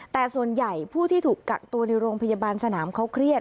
แต่ส่วนใหญ่ผู้ที่ถูกกักตัวในโรงพยาบาลสนามเขาเครียด